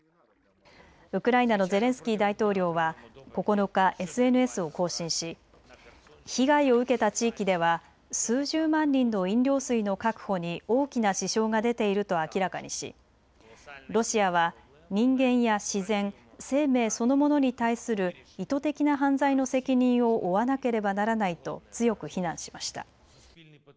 ウクライナのゼレンスキー大統領は９日、ＳＮＳを更新し被害を受けた地域では数十万人の飲料水の確保に大きな支障が出ていると明らかにしロシアは人間や自然、生命そのものに対する意図的な犯罪の責任を負わなければならないと強く非難しました。